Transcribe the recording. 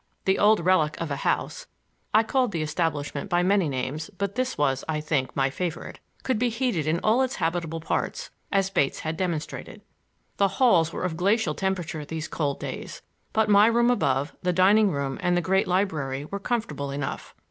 The old relic of a house—I called the establishment by many names, but this was, I think, my favorite—could be heated in all its habitable parts, as Bates had demonstrated. The halls were of glacial temperature these cold days, but my room above, the dining room and the great library were comfortable enough.